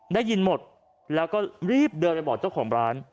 ได้ยินหมดแล้วก็รีบเดินไปบอกเจ้าของร้าน